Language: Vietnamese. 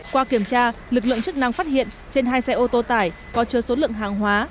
qua kiểm tra lực lượng chức năng phát hiện trên hai xe ô tô tải có chứa số lượng hàng hóa